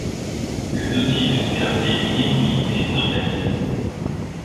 Le Nautilus gardait une immobilité parfaite.